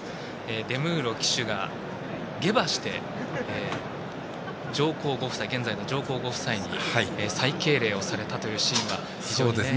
デムーロ騎手が下馬して上皇ご夫妻に最敬礼をされたというシーンは。